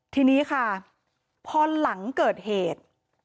ทีนี้ค่ะพอหลังเกิดเหตุ